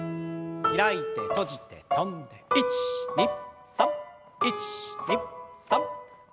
開いて閉じて跳んで１２３１２３。